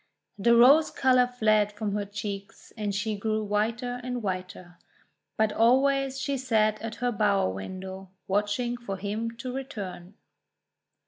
The rose colour fled from her cheeks, and she grew whiter and whiter. But always she sat at her bower window watching for him to return.